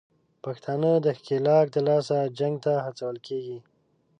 پښتانه د ښکېلاک دلاسه جنګ ته هڅول کېږي